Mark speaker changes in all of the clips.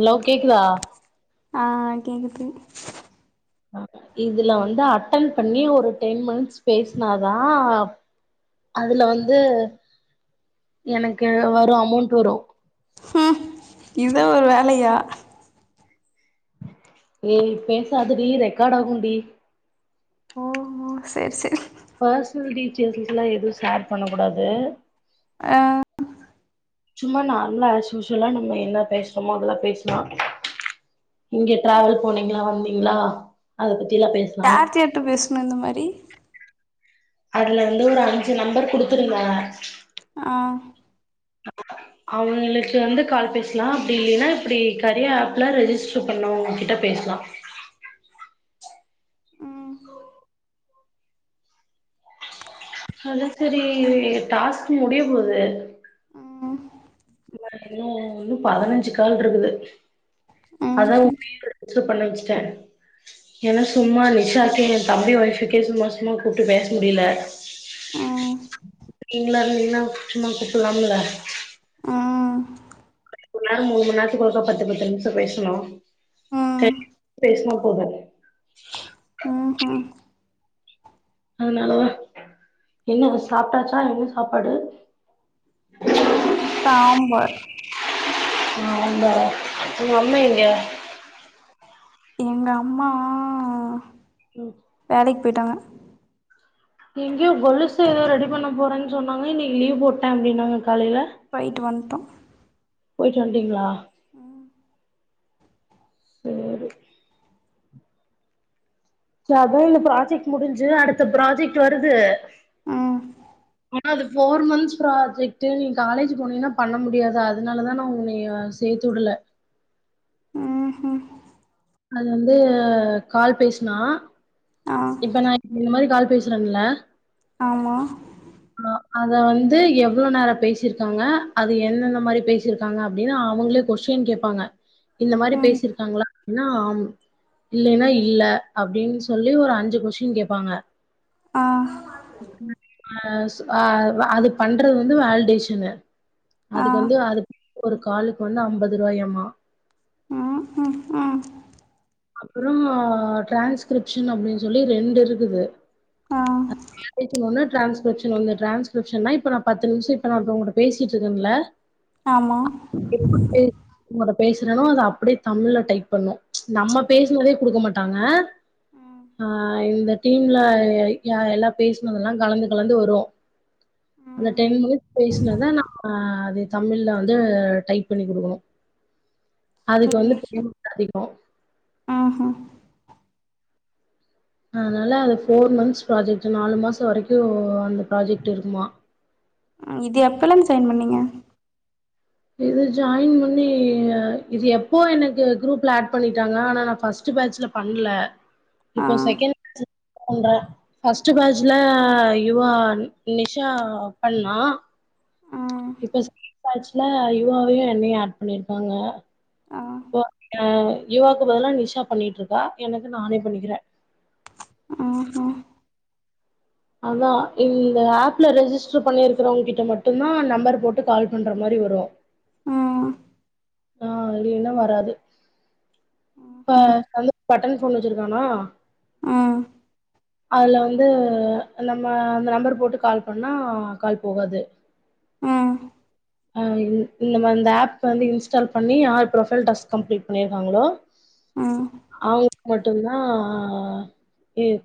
Speaker 1: hello கேக்குதா
Speaker 2: ஆ கேக்குது
Speaker 1: இதுல வந்து அட்டன் பண்ணி ஒரு டென் மினிட்ஸ் பேசுனாதா அதுல வந்து எனக்கு வரு அமௌண்ட் வரும்
Speaker 2: ம் இதா ஒரு வேலையா
Speaker 1: ஏய் பேசாத டி ரெக்கார்ட் ஆகு டி
Speaker 2: ஓ சேர் சேரி
Speaker 1: பர்சனல் டீட்டெயில்ஸ்லா எதுவும் ஷேர் பண்ணக்கூடாது
Speaker 2: ஆ
Speaker 1: [inaudible] சும்மா நார்மலா அசூசலா நம்ம என்ன பேசுறோமோ அதெல்லா பேசலா இங்க டிராவல் போனீங்களா வந்தீங்களா அத பத்தி எல்லா பேச
Speaker 2: டார்ச்சு எட்டு பேசணு இந்த மாரி
Speaker 1: அதுல வந்து ஒரு அஞ்சு நம்பர் குடுத்துருந்த
Speaker 2: ஆ
Speaker 1: [inaudible] அவுங்களுக்கு வந்து கால் பேசலா அப்டி இல்லைன்னா இப்படி கரியா ஆப்ல ரெஜிஸ் ட்டு பண்ணவங்ககிட்ட பேசலா
Speaker 2: ம்
Speaker 1: அத தெரியிது டாஸ்க் முடிய போது
Speaker 2: ம்
Speaker 1: இன்னும் இன்னும் பதினஞ்சு கால் இருக்கு அதா
Speaker 2: ம்ஹும்
Speaker 1: [unintelligible] சு பண்ண வச்சுட்டே ஏன்னா சும்மா நிஷாக்கே என் தம்பி ஒய்ஃபுக்கே சும்மா சும்மா கூப்ட்டு பேச முடியல நீங்களா இருந்தீங்கன்னா சும்மா கூப்பலாம்ல
Speaker 2: ம்
Speaker 1: ஒரு நேரம் மூண் மணி நேரத்துக்கு ஒருக்கா பத்து பத்து நிமிஷம் பேசணு த
Speaker 2: ம் ம்
Speaker 1: பேசுனா போது
Speaker 2: ம் ஹூ
Speaker 1: அதனால தா என்ன சாப்ட்டாச்சா என்ன சாப்பாடு
Speaker 2: சாம்பார்
Speaker 1: ஆமா உங்க அம்மா எங்க
Speaker 2: எங்க அம்மா
Speaker 1: ம்
Speaker 2: வேலைக்கு போயிட்டாங்க
Speaker 1: எங்கேயோ கொலுசு ஏதோ ரெடி பண்ண போறேன்னு சொன்னாங்க இன்னைக்கு லீவ் போட்டே அப்டின் நாங்க காலைல
Speaker 2: போய்ட்டு வன்டோ
Speaker 1: போயிட்டு வன்டீங்களா
Speaker 2: ம்
Speaker 1: சேரி ச அதா இந்த ப்ராஜெக்ட் முடிஞ்சு அடுத்த ப்ராஜெக்ட் வருது
Speaker 2: ம்
Speaker 1: ஆனா அது ஃபோர் மந்த்ஸ் ப்ராஜெக்ட் நீ காலேஜ் போனினா பண்ண முடியாது அதனால தா நான் உன்னைய சேத்துவுடல
Speaker 2: ம் ஹூ
Speaker 1: அது வந்து கால் பேசுனா
Speaker 2: ஆ
Speaker 1: இப்ப நா இந்த மாரி கால் பேசுறேன்ல
Speaker 2: ஆமா
Speaker 1: உஹ [inaudible] அத வந்து எவ்வளோ நேரோ பேசிருக்காங்க அது எந்நெந்த மாதிரி பேசிருக்காங்க அப்படின்னு அவங்களே கொஷ்டின் கேப்பாங்க இந்த மாரி
Speaker 2: ம்
Speaker 1: பேசிருக்காங்களா அப்படின்னா அம் இல்லேன்னா இல்ல அப்படின்னு சொல்லி ஒரு அஞ்சு கொஸ்டின் கேப்பாங்க
Speaker 2: ஆ
Speaker 1: ஆ அது பண்றது வந்து வேலிடேஷனு
Speaker 2: ஆ
Speaker 1: அதுக்கு வந்து அது ஒரு காலுக்கு வந்து அம்பது ரூபாயமா
Speaker 2: ம் ம் ஆ
Speaker 1: அப்புறோ டிரான்ஸ்கிரிப்ஷன் அப்படின்னு சொல்லி ரெண்டு இருக்குது
Speaker 2: ஆ
Speaker 1: ஒன்னு டிரான்ஸ்கிரிப்ஷன் ஒன்னு டிரான்ஸ் கிரிப்ஷன்னா இப்ப நா பத்து நிமிஷோ இப்ப நா உன்கிட்ட பேசிட்டு இருக்கேன்ல
Speaker 2: ஆமா
Speaker 1: எப்ப [unintelligible] உங்கட பேசுறேனோ அத அப்படியே தமிழ்ல டைப் பண்ணனு நம்ம பேசுனதே குடுக்க மாட்டாங்க
Speaker 2: ம்
Speaker 1: ஆ இந்த டீம்ல எல்லா பேசினதெல்லா கலந்து கலந்து வரு அந்த
Speaker 2: ம்
Speaker 1: டென் மினிட்ஸ் பேசுனதா நம்ம அது தமிழில வந்து டைப் பண்ணி குடுக்கணு அதுக்கு வந்து பேமேன்ட் அதிகோ
Speaker 2: ஆ ஆ
Speaker 1: அதனால அது ஃபோர் மந்த்த்ஸ் ப்ராஜெக்ட் நாலு மாசோ வரைக்கு அந்த ப்ராஜெக்ட் இருக்குமா
Speaker 2: இது எப்பேல்ல இருந்நு ஜாயின் பண்ணீங்க
Speaker 1: இது ஜாயின் பண்ணி இது எப்போ எனக்கு குரூப்ல ஆட் பண்ணிட்டாங்க ஆனா நா ஃபர்ஸ்ட்டு பேட்சுல போயி பண்ணல
Speaker 2: ஆ
Speaker 1: இப்போ செகேண்ட் பேஜுல பண்ரே ஃபர்ஸ்ட்டு பேஜூல இவ நிஷா பண்ணா
Speaker 2: ஆ
Speaker 1: இப்போ செக்கேண்ட் பேஜ்ஜூல யவாவையு என்னயையு ஏட் பண்ணிருக்காங்க
Speaker 2: ஆ
Speaker 1: இப்போ யுவாக்கு பதில்லா நிஷா பண்ணிட்டு இருக்கா எனக்கு நானே பண்ணிக்கிறே
Speaker 2: ஆ ஆ
Speaker 1: அதா இந்த ஆப்பி ரெஜிஸ்டர் பண்ணியிருக்கறவங்க கிட்ட மட்டுந் தா நம்பர் போட்டு கால் பண்ணுற மாரி வரு
Speaker 2: ஆ ஆ
Speaker 1: ஆ இல்லேனா வராது ஆ பட்டன் போனு வெச்சிருக்கானா
Speaker 2: ஆனா
Speaker 1: அதி வந்து நம்ம அந்த நம்பர் போட்டு கால் பண்ணா கால் போகாது
Speaker 2: ஆ
Speaker 1: ஆ இந் இந்த நம்ம ஆப் வந்து இன்ஸ்டால் பண்ணி யார் ப்ரொஃபைல் டாஸ்க் கம்ப்ளீட் பண்ணியிருக்காங்களோ
Speaker 2: ஆ
Speaker 1: அவங்கக்கு மட்டுதா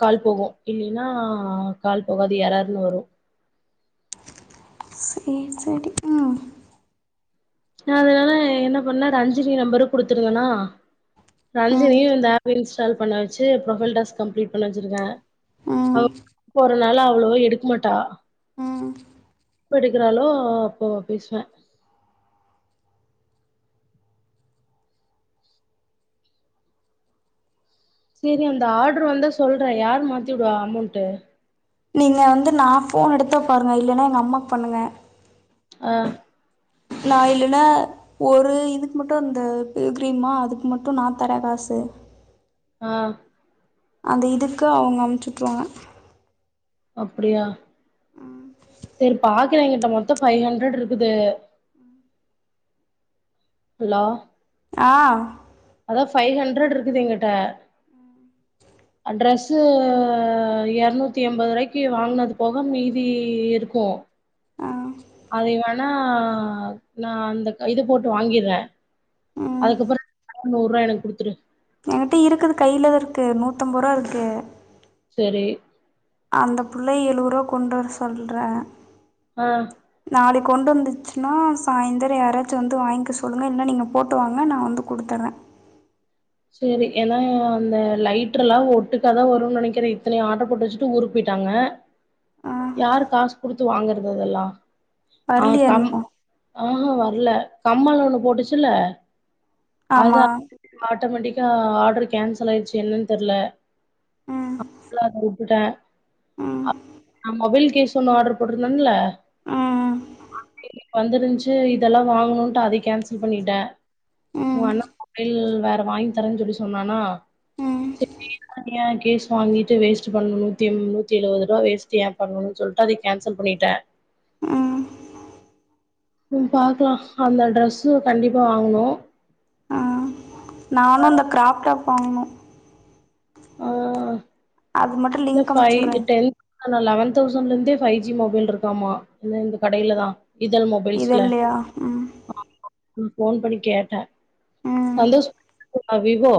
Speaker 1: கால் போகு இல்லினா கால் போகாது எரர்னு வரு
Speaker 2: சே சேரி ம்
Speaker 1: ந அதனால என்ன பண்ண ரஞ்சினி நம்பரு குடுத்திருந்தனா
Speaker 2: ம்
Speaker 1: ரஞ்சனியு இந்த ஆப் இன்ஸ் ஸ்டால் பண்ண வச்சு ப்ரொபைல் டாஸ்க் கம்ப்ளீட் பண்ண வச்சிருக்கே அவ
Speaker 2: ம்
Speaker 1: ஒர்க் போர நால அவ்வளவா எடுக்கமாட்டா
Speaker 2: ம்
Speaker 1: எப்போ எடுக்குறாலோ அப்போ பேசுவே செரி அந்த ஆடரு வந்தா சொல்கிறே யார் மாத்தி விடுவா அமௌண்ட்டு
Speaker 2: நீங்க வந்து நா போன் எடுத்த பாருங்க இல்லைன்னா எங்க அம்மாவுக்கு பண்ணுங்க
Speaker 1: ஆ
Speaker 2: நா இல்லனா ஒரு இதுக்கு மட்டு இந்தந்த கிரீமா அதுக்கு மட்டு நா தரே காசு
Speaker 1: ஆ
Speaker 2: அந்த இதுக்கு அவங்க அமுச்சுட்ருவாங்க
Speaker 1: அப்படியா செரி பாக்கற எங்கிட்ட மொத்தோ ஃபைவ் ஹண்ட்ரட் இருக்குது துலா
Speaker 2: ஆ
Speaker 1: அதாவ் ஃபைவ் ஹண்ட்ரட் இருக்குது எங்கிட்ட அ ட்ரஸ்ஸு இரனூத்தி எம்பாது ரூவாய்க்கி வாங்குனது போக மீதி இருக்கு
Speaker 2: ஆ
Speaker 1: அதைய வேணா நா அந்த இது போட்டு வாங்கிர்றே
Speaker 2: ம்
Speaker 1: அதுக்கப்பறோ [inaudible] நூர்ருவா எனக்கு குடுத்துரு
Speaker 2: எங்கிட்டயூ இருக்குது கையில தா இருக்கு நூத்தம்பது ருவா இருக்கு
Speaker 1: சேரி
Speaker 2: அந்த புள்ளைய எழுவது ரூவா கொண்டு வர சொல்றே
Speaker 1: அ
Speaker 2: நாளைக்கு கொண்டு வந்துச்சுன்னா சாய்ந்தரோ யாராச்சு வந்து வாங்கிக்க சொல்லுங்க இல்லனா நீங்க போட்டு வாங்க நா வந்து குடுத்தர்ற
Speaker 1: சேரி எல்லா அந்த லைட்டர்லா ஒட்டுக்காதா வருன்னு நினைக்கற இத்தனைய ஆட்ட போட்டு வச்சுட்டு ஊருக்கு போயிட்டாங்க
Speaker 2: ஆ
Speaker 1: யாரு காஸ் குடுத்து வாங்கறது இதல்லா ஆ
Speaker 2: வரலையா
Speaker 1: கம்
Speaker 2: இன்னும்
Speaker 1: ஆஹ் வர்ல கம்மள் ஒண்ணு போட்டுச்சுல்ல
Speaker 2: ஆமா
Speaker 1: ஆட்டமெட்டிக்கா ஆர்டரு கேன்சல் ஆயிடுச்சு என்னன்னு தெர்ல
Speaker 2: ம்
Speaker 1: [inaudible] அத விட்டுட்ட
Speaker 2: ம்
Speaker 1: [inaudible] நா மொபல் கேஸ் போனு ஆர்டர் போட்ருந்தல்ல
Speaker 2: ம்
Speaker 1: வந்திருந்ச்சு இதெல்லா வாங்கனுன்ட்டு அத கேன்சல் பண்ணிட்டே உ
Speaker 2: ம்
Speaker 1: அண்ணா மொபைல் வா வாங்கி தரன்னு சொல்லி சொன்னானா
Speaker 2: ம்
Speaker 1: [inaudible] கேஸு வாங்கீட்டு வேஸ்ட் பண்ணணு நூத்தியெம் நூத்தி எழுவது ருவா வேஸ்ட் ஏ பண்ணணு சொல்லிட்டு அதைய கேன்சல் பண்ணிட்ட
Speaker 2: ம்
Speaker 1: ம் பாக்லா அந்த ட்ரெஸ்ஸு கண்டிப்பா வாங்கணு
Speaker 2: அ நானு அந்த கிராப் டாப் வாங்குனு
Speaker 1: [unintelligible]
Speaker 2: அது மட்டுல்
Speaker 1: ந்த ஃபைவ் டென் அனா லெவன் தௌசண்ட்ல இருந்தே ஃபைவ் ஜி மொபைல் இருக்காமா இன்ன இந்த கடையில தா இதழ் மொப
Speaker 2: இதழ்லயா ம்
Speaker 1: [inaudible] ஃபோன் பண்ணி கேட்ட
Speaker 2: ம் ம்
Speaker 1: சந்தோஷ் [inaudible] விவோ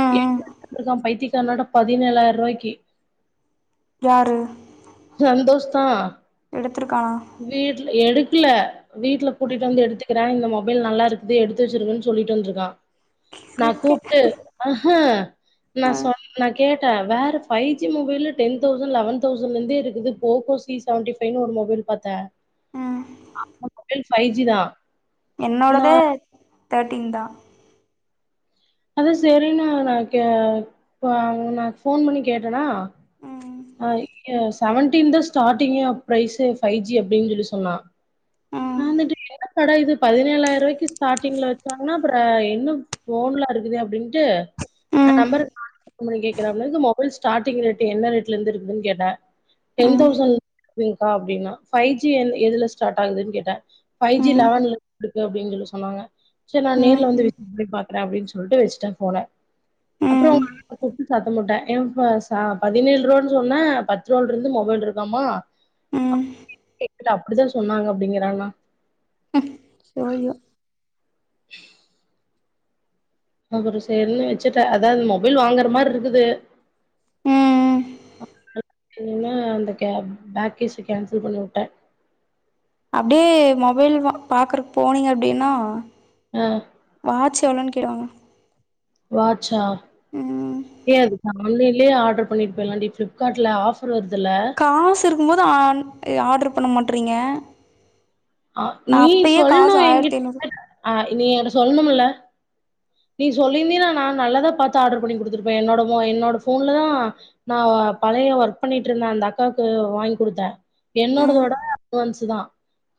Speaker 2: ம்
Speaker 1: [unintelligible] பைத்தியக்காரனாட்டோ பதினேழாயிரூவாய்க்கு
Speaker 2: யாரு
Speaker 1: சந்தோஷ் தா
Speaker 2: எடுத்துருக்கானா
Speaker 1: வீட்ல எடுக்கல வீட்டுல கூட்டிட்டு வந்து எடுத்துக்கிற இந்த மொபைல் நல்லா இருக்குது எடுத்து வெச்சிருங்கன்னு சொல்லீட் வந்துருக்கா நா
Speaker 2: இருக்கேன்
Speaker 1: கூப்ட்டு அஹ நா
Speaker 2: ஆ
Speaker 1: சொன் நா கேட்ட வேற ஃபைவ் ஜி மொபைல்ல டென் தௌசண்ட் லெவன் தௌசண்ல இருந்தே இ இதுது போக்கோ சி செவன்டி ஃபைவ்னு ஒரு மொபைல் பாத்த
Speaker 2: ம்
Speaker 1: அந்த மொபைல் ஃபைவ் ஜி தா
Speaker 2: என்னோடதே தேட்டீன் தா
Speaker 1: அதுவு சேரீன்னு நா கே ப நா ஃபோன் பண்ணி கேட்டன்னா
Speaker 2: ம்
Speaker 1: அய்யோ செவன்டீன் தா ஸ்டாட்டிங்கே ப்ரைஸு ஃபை ஜி அப்டின் சொல்லி சொன்னா
Speaker 2: ம்
Speaker 1: நா வந்துட்டு என்ன கட இது பதினேழாய்ர்ருவாய்க்கு ஸ்டாட்டிங்ல வெச்சாங்கன்னா அப்பறோ இன்னு ஃபோன்லா இருக்குதே அப்டின்ட்டு நா
Speaker 2: ம்
Speaker 1: நம்பரு [inaudible] ஃபோன் பண்ணி கேக்கறார்ன்னதுக்கு மொபைல் ஸ்டாட்டிங் ரேட் என்ன ரேட்லர்ந்து இருக்குதுன் கேட்ட டென்
Speaker 2: ம்
Speaker 1: தௌசண்ங்க்கா அப்டின்னா ஃபை ஜி எல எதுல ஸ்டாட் ஆகுதுன் கேட்ட ஃபை ஜி
Speaker 2: ம்
Speaker 1: லெவன்லருக்கு அப்டின் சொல்லி சொன்னாங்க செரி நா
Speaker 2: ம்
Speaker 1: நேர்ல வந்து [inaudible] பாத் துக்றே அப்டின் சொல்ட்டு வெஸ்ட்டே ஃபோன அப்றோ
Speaker 2: ம்
Speaker 1: உங்க அண்ணன கூப்ட்டு சத்தம் போட்டே ஏம்ஃபாசா பதினேழு ருவான் சொன்ன பத்துருவால்ருந்து மொபைல்ருக்காமா
Speaker 2: ம்
Speaker 1: இல்ல அப்பிடிதா சொன்னாங்க அப்டிங்கிறான்னா
Speaker 2: ம் சோ ஐயோ
Speaker 1: அப்பறோ சேரின் வெச்சிட்ட அதாவ்து மொபைல் வாங்கற மார்ருக்குது
Speaker 2: ம்
Speaker 1: இனிமே அந்த கேப் பேக்கேஸ கேன்சல் பண்ணி விட்டே
Speaker 2: அப்டியே மொபைல் வா பாக்கறக் போனீங்க அப்டின்னா
Speaker 1: அ
Speaker 2: வாட்ச் எவ்ளோன் கேட்டுவாங்க
Speaker 1: வாட்ச்சா
Speaker 2: ம்
Speaker 1: ஏ அது நா ஆன்லைன்லே ஆட்ரு பண்ணீர்க்கலாண்டி ஃப்லிப்காட்ல ஆஃபர் வர்துல்ல
Speaker 2: காஸ் இருக்கும்போது ஆன் அ ஆட்ரு பண்ண மாட்றீங்க
Speaker 1: ஆ
Speaker 2: நா
Speaker 1: நீ
Speaker 2: அப்பயே
Speaker 1: சொல்ணு
Speaker 2: காசு ஆயிரத்தி
Speaker 1: எங்கிட்
Speaker 2: ஐநூறு
Speaker 1: ஆ நீ என்ட்ட சொல்ணுமில்ல நீ சொல்லீர்ந்தீன்னா நா நல்லதா பாத்து ஆட்ரு பண்ணி குடுத்திருப்பே என்னோட மொ என்னோட ஃபோன்ல தா நா வ பழைய ஒர்க் பண்ணிட்ருந்த அந்த அக்காக்கு வாய்ங் குடுத்தே
Speaker 2: ம்
Speaker 1: என்னோடதோட அட்வான்ஸு தா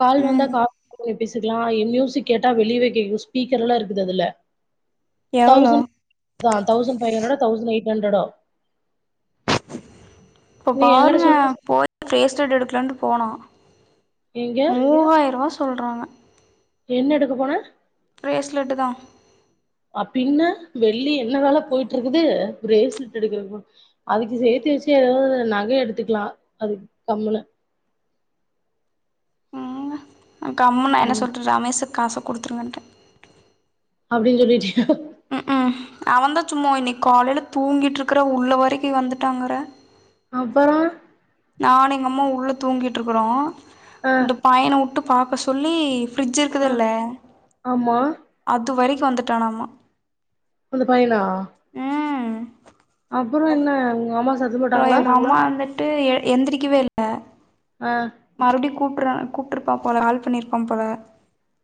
Speaker 1: கால் வந்தா
Speaker 2: ம்
Speaker 1: கா [inaudible] போய்ரு பேசிக்கலா அ ஒரு மியூசிக் கேட்டா வெளியவே கேக்கு ஸ்பீக்கர் எல்லா இருக்குது அதுல
Speaker 2: எவ்ளோ
Speaker 1: தௌசண் [inaudible] தா தௌசண்ட் ஃபை ஹண்ட்ரடோ தௌசண் எய்ட் ஹண்ட்ரடோ
Speaker 2: இப்ப
Speaker 1: நீ என்கிட்ட
Speaker 2: பாருங்க
Speaker 1: சொல்
Speaker 2: போய் ஃபேஸ் ஸ்டட் எடுக்கலான்ட்டு போனோ
Speaker 1: எங்க
Speaker 2: மூவாய்ர்ருவா சொல்றாங்க
Speaker 1: என்ன எடுக்க போன
Speaker 2: ப்ரேஸ்லெட்டு தா
Speaker 1: அப்பின்னா வெள்ளி என்ன வெல போய்ட்ருக்குது ப்ரேஸ்லெட்டு எடுக்கறக்கு அதுக்கு சேத்தி வெச்சி எதாவ்து நக எடுத்துக்கலா அது கம்மலோ
Speaker 2: ஆ கம்முன் நா என்ன
Speaker 1: ம்
Speaker 2: சொல்ட்டே ரமேசுக் காச குடுத்துருங்கன்ட்டே
Speaker 1: அப்டின் சொல்லீட்டியோ
Speaker 2: ம்க்ம் அவந்தா சும்மா இன்னைக் காலைல தூங்கிட்ருக்கற உள்ள வரைக்கு வந்துட்டாங்கற
Speaker 1: அப்பறோ
Speaker 2: நானு எங்க அம்மாவு உள்ள தூங்கிட்ருக்கறோ
Speaker 1: ஆ
Speaker 2: இந்த பையன உட்டு பாக்க சொல்லி ஃப்ரிட்ஜ்
Speaker 1: ஆ
Speaker 2: இருக்குதுல்ல
Speaker 1: ஆமா
Speaker 2: அதுவரைக்கு வந்துட்டானாமா
Speaker 1: அந்த பையனா
Speaker 2: ம்
Speaker 1: அப்பறோ என்ன உங்க அம்மா சத்
Speaker 2: அப்றோ எங்க அம்மா வந்துட்டு எ எந்திரிக்கவே இல்ல
Speaker 1: அ
Speaker 2: மறுப்டியு கூட்ற கூப்ட்ருப்பா போல கால் பண்ணீர்ப்பா போல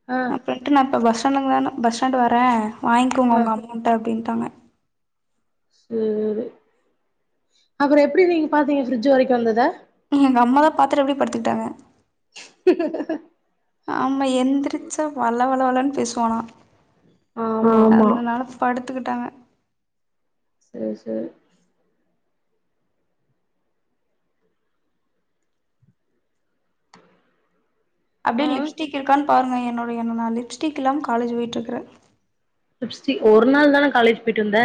Speaker 1: ஆ
Speaker 2: ப்ரெண்ட்டு நா இப்போ பஸ் ஸ்டாண்டுலங்க வேனா பஸ் ஸ்டண்டு வர்ரே வாங்கோங்க
Speaker 1: ஆ
Speaker 2: உங்க அமௌண்ட்ட அப்டின்ட்டாங்க
Speaker 1: ம் அப்பற எப்டி நீங்க பாத்தீங்க ஃப்ரிட்ஜு வரைக்கு வந்தத
Speaker 2: எங்க அம்மாதா பாத்துட்டு அப்டி படுத்துக்ட்டாங்க
Speaker 1: ஹ் ஹ ஹ
Speaker 2: ஆமா எந்திரிச்சா வளவளவலன்னு பேசுவானா ஆமா அதனால படுத்துக்கிட்டாங்க
Speaker 1: சேர் சேரி
Speaker 2: அப்டி
Speaker 1: ஆ
Speaker 2: லிப்ஸ்டிக் இருக்கான் பாருங்க என்னோட என்ன நா லிப்ஸ்டிக் இல்லாம காலேஜ் போயிட்ருக்கிற
Speaker 1: லிப்ஸ்டிக் ஒரு நாள் தான காலேஜ் போயிட்டு வந்த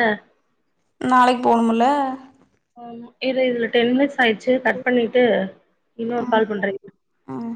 Speaker 2: நாளைக் போணும்முல
Speaker 1: இரு இதுல டென் மினிட்ஸ் ஆயிடுச்சு கட் பண்ணிட்டு இன்னோர்
Speaker 2: ஆமா
Speaker 1: கால் பண்றேங்
Speaker 2: ம்